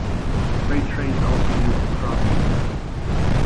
Freight trains also use the crossing.